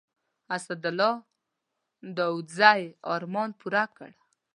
اسدالله داودزي ارمان پوره کړ.